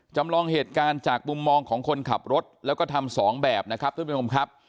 จำลองเหตุการณ์จากมุมมองของคนขับรถแล้วก็ทำสองแบบนะครับท่านผู้ชมครับ